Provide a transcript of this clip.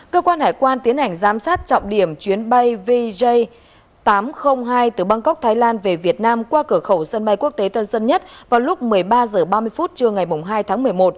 cơ quan hải quan tiến hành giám sát trọng điểm chuyến bay vj tám trăm linh hai từ bangkok thái lan về việt nam qua cửa khẩu sân bay quốc tế tân sơn nhất vào lúc một mươi ba h ba mươi phút trưa ngày hai tháng một mươi một